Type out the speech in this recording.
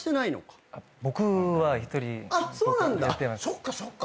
そっかそっか。